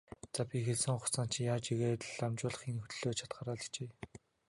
За, би хэлсэн хугацаанд чинь яаж ийгээд л амжуулахын төлөө чадахаараа л хичээе.